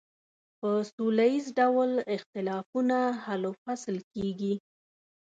په سوله ایز ډول اختلافونه حل و فصل کیږي.